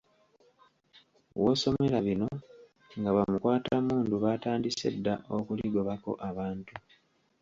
W'osomera bino nga bamukwatammundu baatandise dda okuligobako abantu.